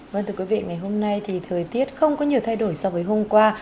vâng thưa quý vị ngày hôm nay thì thời tiết không có nhiều thay đổi so với hôm qua